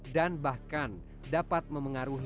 dan bahkan dapat memengaruhi efek